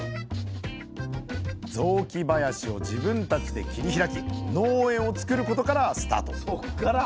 雑木林を自分たちで切り開き農園を作ることからスタートそっから。